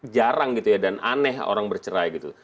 jarang gitu ya dan aneh orang bercerai gitu